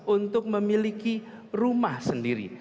untuk memiliki rumah sendiri